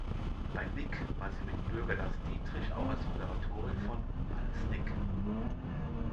Bei Nick war sie mit Bürger Lars Dietrich auch als Moderatorin von "Alles Nick!